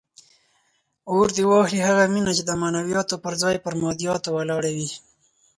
اور دې واخلي هغه مینه چې د معنویاتو پر ځای پر مادیاتو ولاړه وي.